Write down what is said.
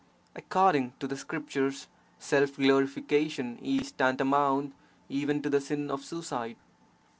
[According to the scriptures, self glorification is tanta mount even to the sin of suicide.